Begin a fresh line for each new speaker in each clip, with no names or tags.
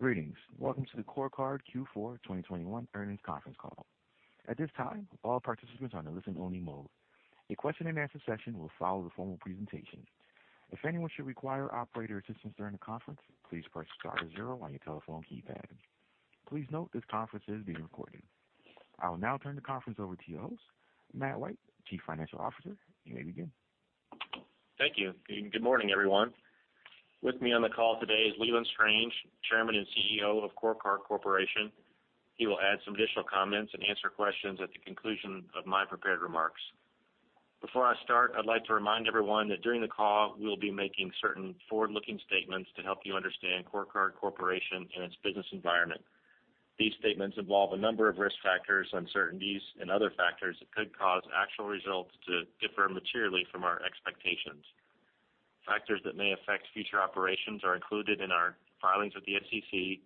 Greetings. Welcome to the CoreCard Q4 2021 Earnings Conference Call. At this time, all participants are in listen-only mode. A question-and-answer session will follow the formal presentation. If anyone should require operator assistance during the conference, please press star zero on your telephone keypad. Please note this conference is being recorded. I will now turn the conference over to your host, Matt White, Chief Financial Officer. You may begin.
Thank you. Good morning, everyone. With me on the call today is Leland Strange, Chairman and CEO of CoreCard Corporation. He will add some additional comments and answer questions at the conclusion of my prepared remarks. Before I start, I'd like to remind everyone that during the call, we'll be making certain forward-looking statements to help you understand CoreCard Corporation and its business environment. These statements involve a number of risk factors, uncertainties, and other factors that could cause actual results to differ materially from our expectations. Factors that may affect future operations are included in our filings with the SEC,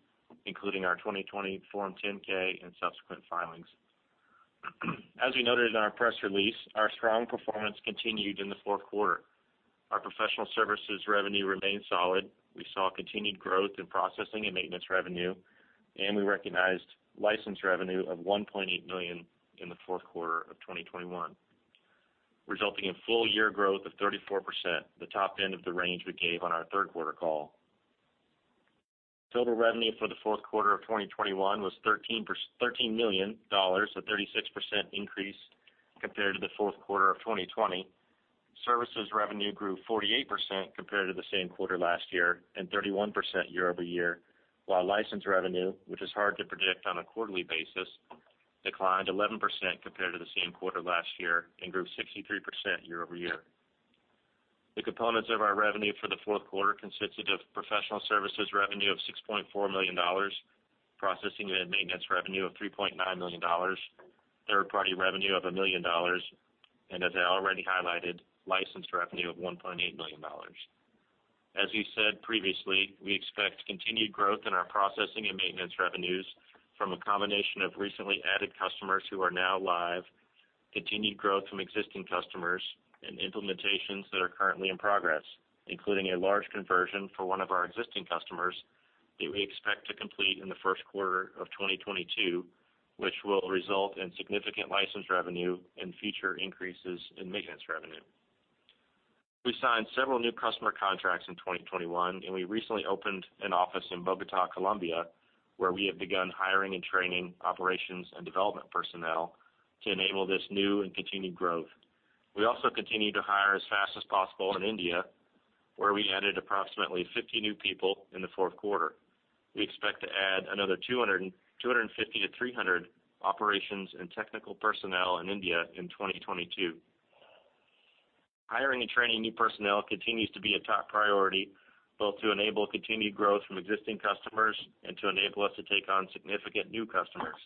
including our 2020 Form 10-K and subsequent filings. As we noted in our press release, our strong performance continued in the fourth quarter. Our professional services revenue remained solid. We saw continued growth in processing and maintenance revenue, and we recognized license revenue of $1.8 million in the fourth quarter of 2021, resulting in full year growth of 34%, the top end of the range we gave on our third quarter call. Total revenue for the fourth quarter of 2021 was $13 million, a 36% increase compared to the fourth quarter of 2020. Services revenue grew 48% compared to the same quarter last year and 31% year-over-year, while license revenue, which is hard to predict on a quarterly basis, declined 11% compared to the same quarter last year and grew 63% year-over-year. The components of our revenue for the fourth quarter consisted of professional services revenue of $6.4 million, processing and maintenance revenue of $3.9 million, third-party revenue of $1 million, and as I already highlighted, license revenue of $1.8 million. As we said previously, we expect continued growth in our processing and maintenance revenues from a combination of recently added customers who are now live, continued growth from existing customers, and implementations that are currently in progress, including a large conversion for one of our existing customers that we expect to complete in the first quarter of 2022, which will result in significant license revenue and future increases in maintenance revenue. We signed several new customer contracts in 2021, and we recently opened an office in Bogotá, Colombia, where we have begun hiring and training operations and development personnel to enable this new and continued growth. We also continue to hire as fast as possible in India, where we added approximately 50 new people in the fourth quarter. We expect to add another 250-300 operations and technical personnel in India in 2022. Hiring and training new personnel continues to be a top priority, both to enable continued growth from existing customers and to enable us to take on significant new customers.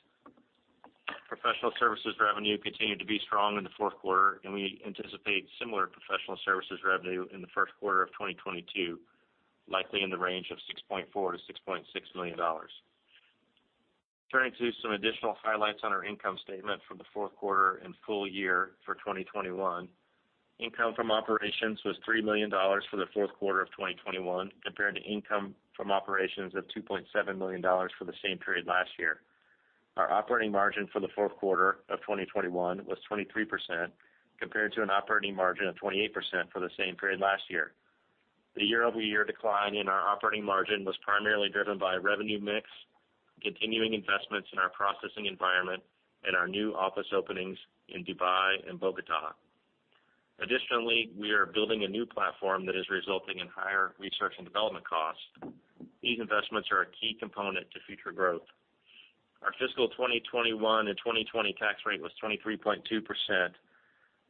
Professional services revenue continued to be strong in the fourth quarter, and we anticipate similar professional services revenue in the first quarter of 2022, likely in the range of $6.4 million-$6.6 million. Turning to some additional highlights on our income statement for the fourth quarter and full year for 2021. Income from operations was $3 million for the fourth quarter of 2021, compared to income from operations of $2.7 million for the same period last year. Our operating margin for the fourth quarter of 2021 was 23%, compared to an operating margin of 28% for the same period last year. The year-over-year decline in our operating margin was primarily driven by revenue mix, continuing investments in our processing environment, and our new office openings in Dubai and Bogotá. Additionally, we are building a new platform that is resulting in higher research and development costs. These investments are a key component to future growth. Our fiscal 2021 and 2020 tax rate was 23.2%.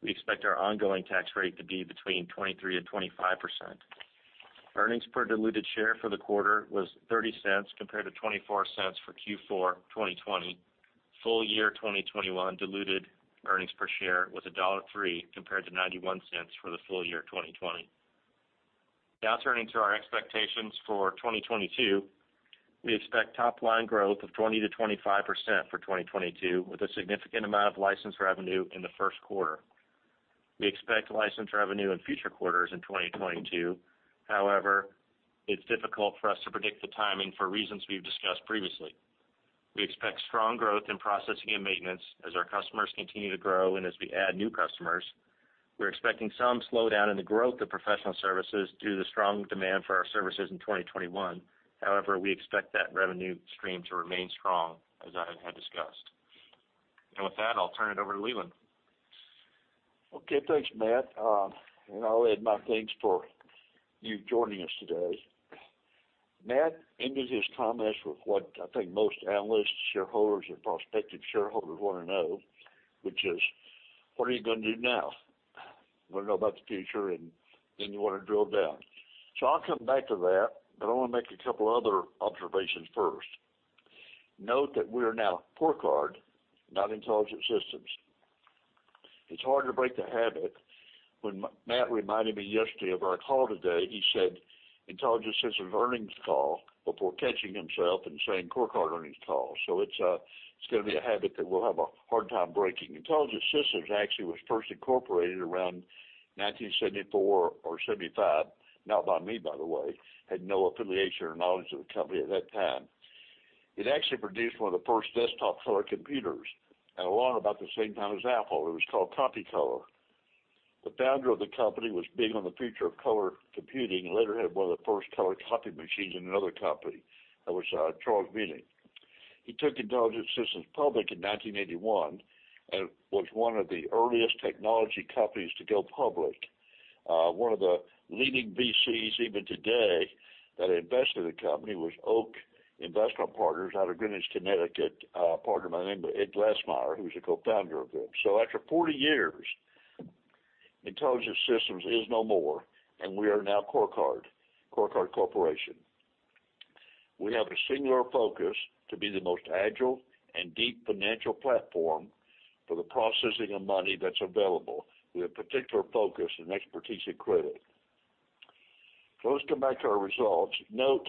We expect our ongoing tax rate to be between 23%-25%. Earnings per diluted share for the quarter was $0.30 compared to $0.24 for Q4 2020. Full year 2021 diluted earnings per share was $1.03 compared to $0.91 for the full year 2020. Now turning to our expectations for 2022. We expect top line growth of 20%-25% for 2022 with a significant amount of license revenue in the first quarter. We expect license revenue in future quarters in 2022. However, it's difficult for us to predict the timing for reasons we've discussed previously. We expect strong growth in processing and maintenance as our customers continue to grow and as we add new customers. We're expecting some slowdown in the growth of professional services due to the strong demand for our services in 2021. However, we expect that revenue stream to remain strong, as I had discussed. With that, I'll turn it over to Leland.
Okay. Thanks, Matt. I'll add my thanks for you joining us today. Matt ended his comments with what I think most analysts, shareholders, and prospective shareholders want to know, which is, what are you going to do now? Want to know about the future, and then you want to drill down. I'll come back to that, but I want to make a couple other observations first. Note that we are now CoreCard, not Intelligent Systems. It's hard to break the habit when Matt reminded me yesterday of our call today. He said, Intelligent Systems earnings call before catching himself and saying CoreCard earnings call. It's going to be a habit that we'll have a hard time breaking. Intelligent Systems actually was first incorporated around 1974 or 1975, not by me, by the way. I had no affiliation or knowledge of the company at that time. It actually produced one of the first desktop color computers, and a lot about the same time as Apple. It was called Compucolor. The founder of the company was big on the future of color computing and later had one of the first color copy machines in another company. That was Charles Muench. He took Intelligent Systems public in 1981 and was one of the earliest technology companies to go public. One of the leading VCs even today that invested in the company was Oak Investment Partners out of Greenwich, Connecticut, a partner by the name of Ed Glassmeyer, who's a co-founder of them. After 40 years, Intelligent Systems is no more, and we are now CoreCard Corporation. We have a singular focus to be the most agile and deep financial platform for the processing of money that's available, with a particular focus and expertise in credit. Let's come back to our results. Note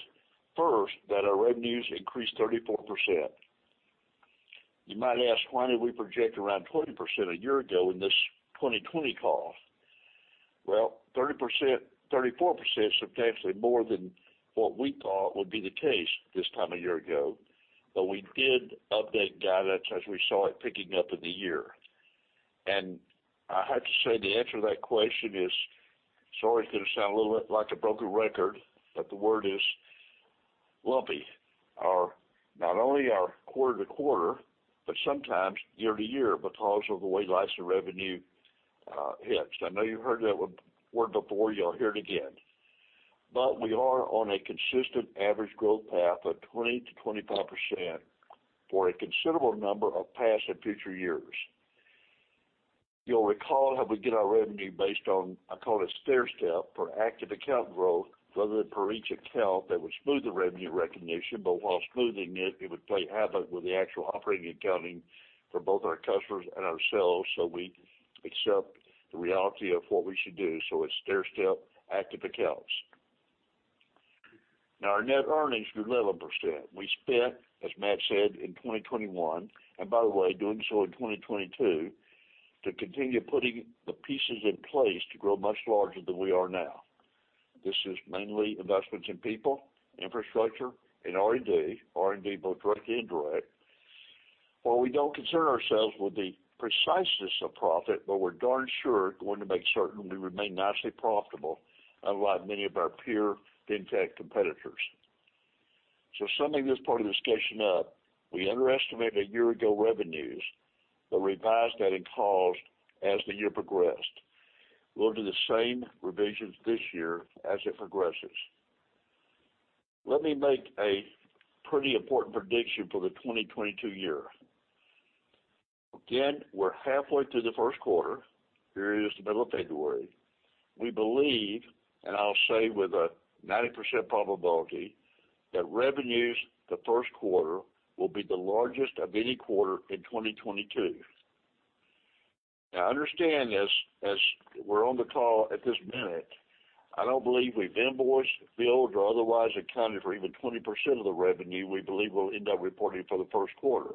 first that our revenues increased 34%. You might ask, why did we project around 20% a year ago in this 2020 call? Well, 30%, 34% is substantially more than what we thought would be the case this time a year ago. We did update guidance as we saw it picking up in the year. I have to say the answer to that question is, sorry if it's going to sound a little bit like a broken record, but the word is lumpy. Not only our quarter to quarter, but sometimes year to year because of the way license revenue hits. I know you heard that word before. You'll hear it again. We are on a consistent average growth path of 20%-25% for a considerable number of past and future years. You'll recall how we get our revenue based on, I call it stairstep for active account growth rather than for each account that would smooth the revenue recognition, but while smoothing it would play havoc with the actual operating accounting for both our customers and ourselves. We accept the reality of what we should do, it's stairstep active accounts. Now our net earnings grew 11%. We spent, as Matt said, in 2021, and by the way, doing so in 2022, to continue putting the pieces in place to grow much larger than we are now. This is mainly investments in people, infrastructure and R&D, both direct and indirect. While we don't concern ourselves with the preciseness of profit, but we're darn sure going to make certain we remain nicely profitable, unlike many of our peer fintech competitors. Summing this part of the discussion up, we underestimated a year ago revenues, but revised that in calls as the year progressed. We'll do the same revisions this year as it progresses. Let me make a pretty important prediction for the 2022 year. Again, we're halfway through the first quarter. Here it is the middle of February. We believe, and I'll say with a 90% probability, that revenues the first quarter will be the largest of any quarter in 2022. Now understand this, as we're on the call at this minute, I don't believe we've invoiced, billed or otherwise accounted for even 20% of the revenue we believe we'll end up reporting for the first quarter.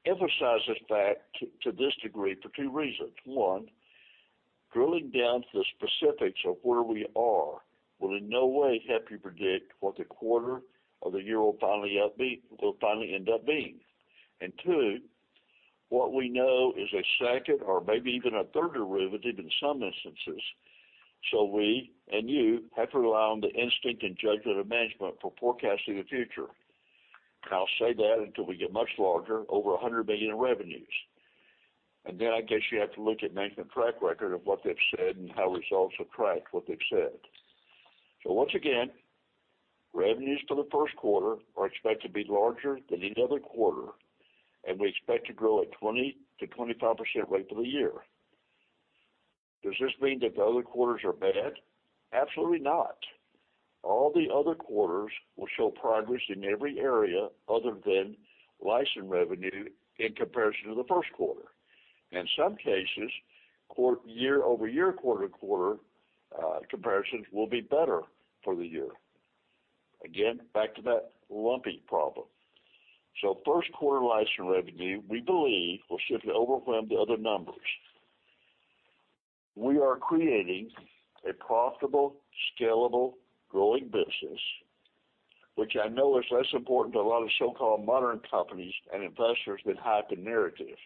I emphasize this fact to this degree for two reasons. One, drilling down to the specifics of where we are will in no way help you predict what the quarter or the year will finally end up being. Two, what we know is a second or maybe even a third derivative in some instances. We and you have to rely on the instinct and judgment of management for forecasting the future. I'll say that until we get much larger, over $100 million in revenues. Then I guess you have to look at management track record of what they've said and how results have tracked what they've said. Once again, revenues for the first quarter are expected to be larger than any other quarter, and we expect to grow at 20%-25% rate for the year. Does this mean that the other quarters are bad? Absolutely not. All the other quarters will show progress in every area other than license revenue in comparison to the first quarter. In some cases, year-over-year, quarter-to-quarter comparisons will be better for the year. Again, back to that lumpy problem. First quarter license revenue, we believe, will simply overwhelm the other numbers. We are creating a profitable, scalable, growing business, which I know is less important to a lot of so-called modern companies and investors that hype the narrative.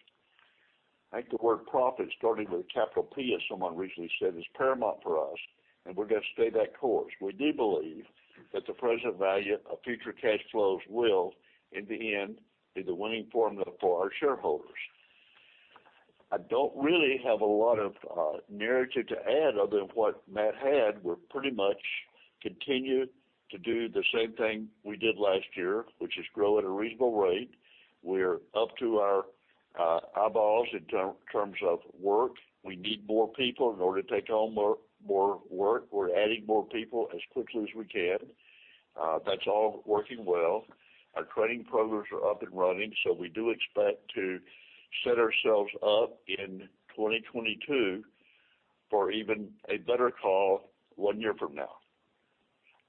I think the word profit, starting with a capital P, as someone recently said, is paramount for us, and we're going to stay that course. We do believe that the present value of future cash flows will, in the end, be the winning formula for our shareholders. I don't really have a lot of narrative to add other than what Matt had. We're pretty much continue to do the same thing we did last year, which is grow at a reasonable rate. We're up to our eyeballs in terms of work. We need more people in order to take on more work. We're adding more people as quickly as we can. That's all working well. Our training programs are up and running, so we do expect to set ourselves up in 2022 for even a better call one year from now.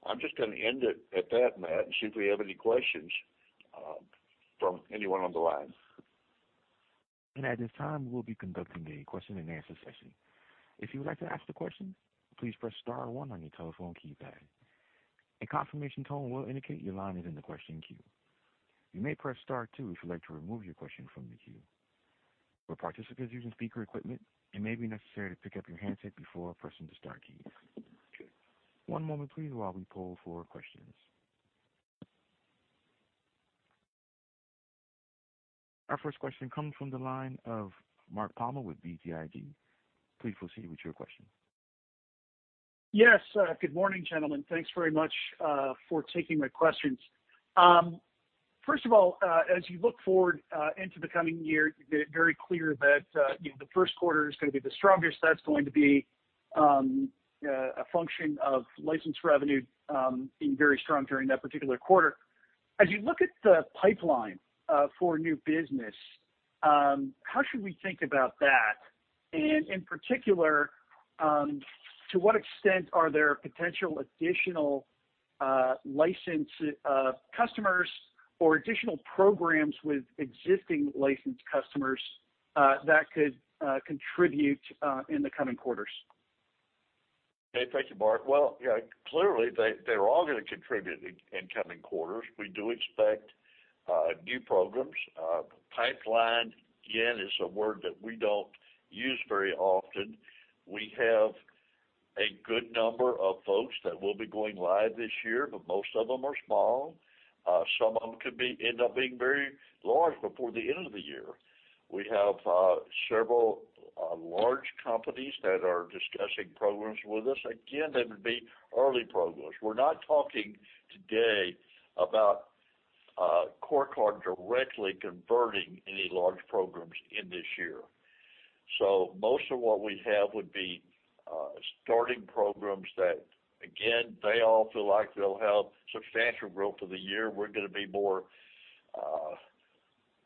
I'm just going to end it at that, Matt, and see if we have any questions from anyone on the line.
At this time, we'll be conducting a question-and-answer session. If you would like to ask a question, please press star one on your telephone keypad. A confirmation tone will indicate your line is in the question queue. You may press star two if you'd like to remove your question from the queue. For participants using speaker equipment, it may be necessary to pick up your handset before pressing the star key. One moment please while we poll for questions. Our first question comes from the line of Mark Palmer with BTIG. Please proceed with your question.
Yes. Good morning, gentlemen. Thanks very much for taking my questions. First of all, as you look forward into the coming year, you're very clear that, you know, the first quarter is going to be the strongest. That's going to be a function of license revenue being very strong during that particular quarter. As you look at the pipeline for new business, how should we think about that? In particular, to what extent are there potential additional license customers or additional programs with existing licensed customers that could contribute in the coming quarters?
Okay. Thank you, Mark. Well, yeah, clearly, they're all going to contribute in coming quarters. We do expect new programs. Pipeline, again, is a word that we don't use very often. We have a good number of folks that will be going live this year, but most of them are small. Some of them could end up being very large before the end of the year. We have several large companies that are discussing programs with us. Again, that would be early programs. We're not talking today about CoreCard directly converting any large programs in this year. Most of what we have would be starting programs that again, they all feel like they'll have substantial growth for the year. We're going to be more,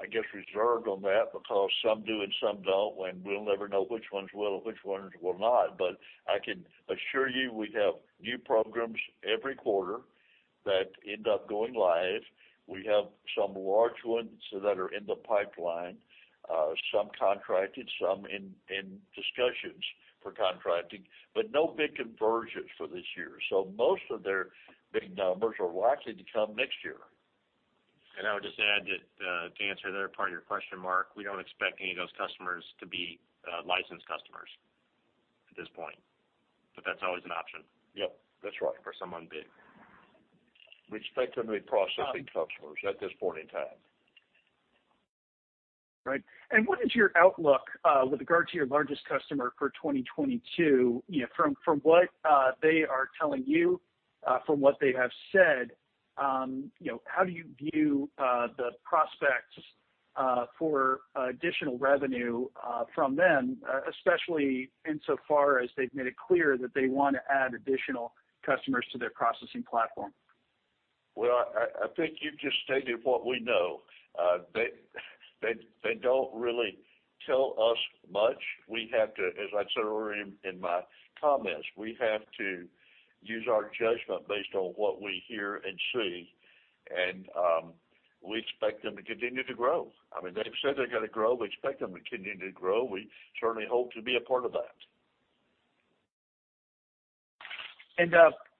I guess reserved on that because some do and some don't, and we'll never know which ones will and which ones will not. I can assure you, we have new programs every quarter that end up going live. We have some large ones that are in the pipeline, some contracted, some in discussions for contracting, but no big conversions for this year. Most of their big numbers are likely to come next year.
I would just add that, to answer that part of your question, Mark, we don't expect any of those customers to be licensed customers at this point, but that's always an option.
Yep, that's right.
For someone big.
We expect to new processing customers at this point in time.
Right. What is your outlook with regard to your largest customer for 2022? You know, from what they are telling you, from what they have said, you know, how do you view the prospects for additional revenue from them, especially insofar as they've made it clear that they wanna add additional customers to their processing platform?
Well, I think you just stated what we know. They don't really tell us much. We have to, as I said earlier in my comments, use our judgment based on what we hear and see. We expect them to continue to grow. I mean, they've said they're going to grow. We expect them to continue to grow. We certainly hope to be a part of that.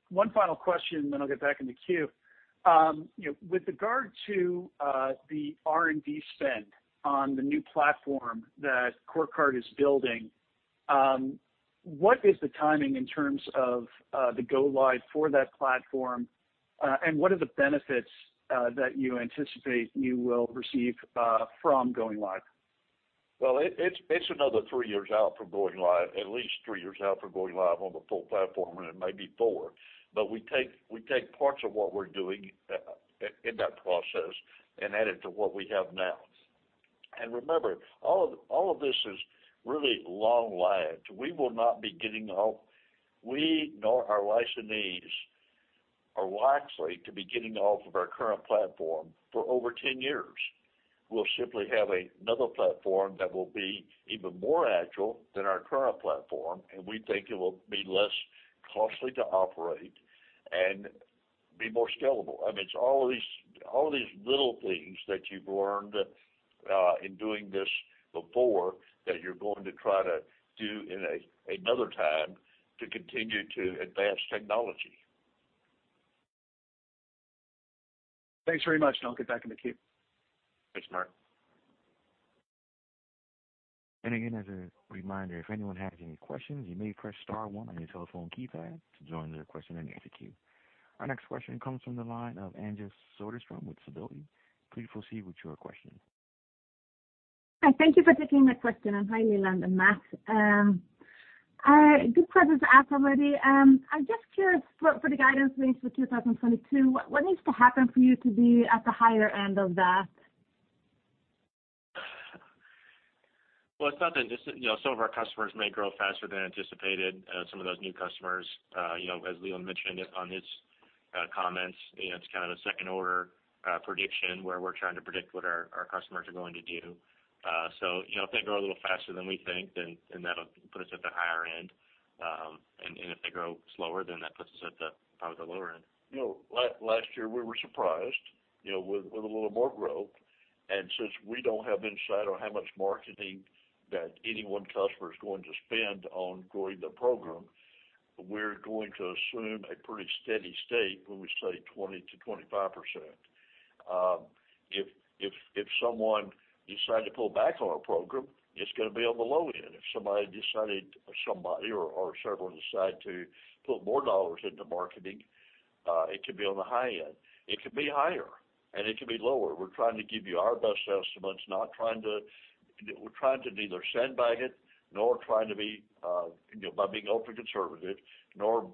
One final question, then I'll get back in the queue. You know, with regard to the R&D spend on the new platform that CoreCard is building, what is the timing in terms of the go live for that platform? What are the benefits that you anticipate you will receive from going live?
Well, it's another three years out from going live, at least three years out from going live on the full platform, and it may be four. We take parts of what we're doing in that process and add it to what we have now. Remember, all of this is really long lived. We will not be getting off, we nor our licensees are likely to be getting off of our current platform for over 10 years. We'll simply have another platform that will be even more agile than our current platform, and we think it will be less costly to operate and be more scalable. I mean, it's all of these little things that you've learned in doing this before that you're going to try to do in another time to continue to advance technology.
Thanks very much. I'll get back in the queue.
Thanks, Mark.
Again, as a reminder, if anyone has any questions, you may press star one on your telephone keypad to join the question-and-answer queue. Our next question comes from the line of Anja Soderstrom with Sidoti. Please proceed with your question.
Hi, thank you for taking my question. Hi Leland and Matt. Good questions asked already. I'm just curious for the guidance range for 2022, what needs to happen for you to be at the higher end of that?
Well, it's nothing. Just, you know, some of our customers may grow faster than anticipated. Some of those new customers, you know, as Leland Strange mentioned it in his comments, you know, it's kind of a second-order prediction, where we're trying to predict what our customers are going to do. If they grow a little faster than we think, then that'll put us at the higher end. And if they grow slower, then that puts us at the probably lower end.
You know, last year, we were surprised, you know, with a little more growth. Since we don't have insight on how much marketing that any one customer is going to spend on growing the program, we're going to assume a pretty steady state when we say 20%-25%. If someone decided to pull back on our program, it's going to be on the low end. If somebody or several decide to put more dollars into marketing, it could be on the high end. It could be higher, and it could be lower. We're trying to give you our best estimates. We're trying to neither sandbag it nor trying to be, you know, by being ultra-conservative, nor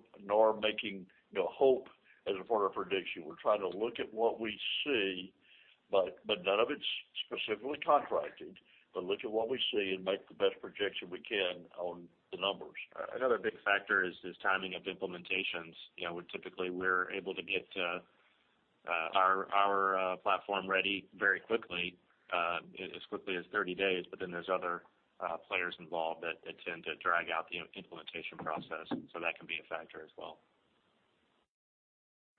making, you know, hope as part of prediction. We're trying to look at what we see, but none of it's specifically contracted. Look at what we see and make the best projection we can on the numbers.
Another big factor is timing of implementations. You know, we're typically able to get our platform ready very quickly, as quickly as 30 days. But then there's other players involved that tend to drag out the implementation process, so that can be a factor as well.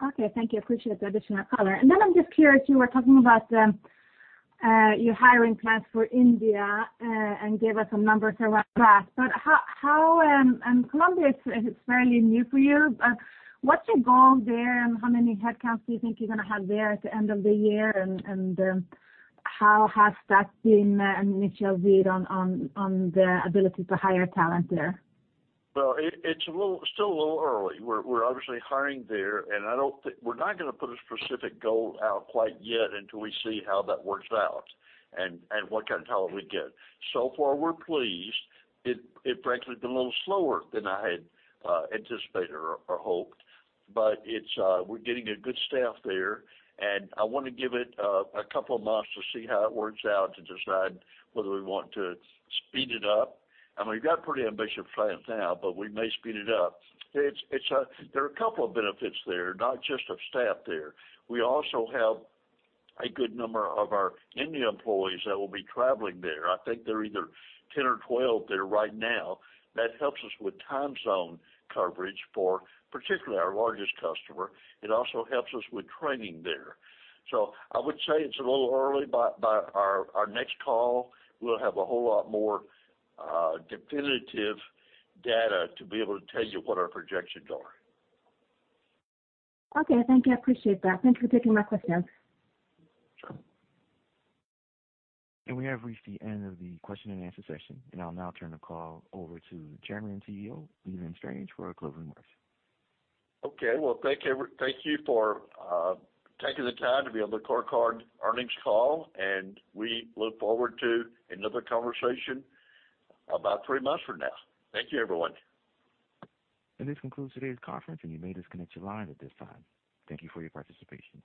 Okay. Thank you. Appreciate the additional color. I'm just curious, you were talking about your hiring plans for India and gave us some numbers there last. How about Colombia is fairly new for you. What's your goal there? How many headcounts do you think you're going to have there at the end of the year? How has that been an initial read on the ability to hire talent there?
Well, it's still a little early. We're obviously hiring there, and I don't think. We're not going to put a specific goal out quite yet until we see how that works out and what kind of talent we get. So far, we're pleased. It's frankly been a little slower than I had anticipated or hoped, but we're getting a good staff there, and I wanna give it a couple of months to see how it works out, to decide whether we want to speed it up. I mean, we've got pretty ambitious plans now, but we may speed it up. There are a couple of benefits there, not just of staff there. We also have a good number of our India employees that will be traveling there. I think there are either 10 or 12 there right now. That helps us with time zone coverage for particularly our largest customer. It also helps us with training there. I would say it's a little early, but by our next call, we'll have a whole lot more definitive data to be able to tell you what our projections are.
Okay. Thank you. I appreciate that. Thanks for taking my questions.
We have reached the end of the question and answer session. I'll now turn the call over to Chairman and CEO, Leland Strange, for our closing remarks.
Okay. Well, thank you for taking the time to be on the CoreCard earnings call, and we look forward to another conversation about three months from now. Thank you, everyone.
This concludes today's conference, and you may disconnect your line at this time. Thank you for your participation.